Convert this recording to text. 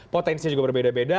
potensinya juga berbeda beda